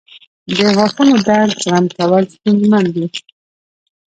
• د غاښونو درد زغم کول ستونزمن دي.